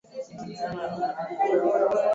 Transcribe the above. Ni muziki wenye kuzingatia maadili ya kiafrika kabisa